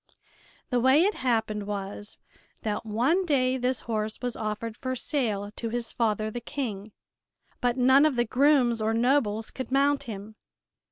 The way it happened was that one day this horse was offered for sale to his father, the King, but none of the grooms or nobles could mount him.